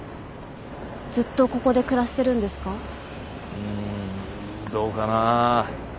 うんどうかなあ。